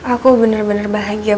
aku bener bener bahagia